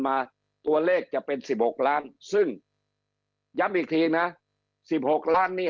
มาตัวเลขจะเป็นสิบหกล้านซึ่งย้ำอีกทีนะ๑๖ล้านนี่